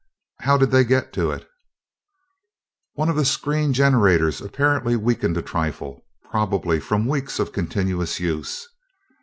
"How did they get to it?" "One of the screen generators apparently weakened a trifle, probably from weeks of continuous use.